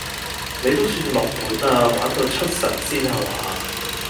你都算落本喇，玩到出神仙吓話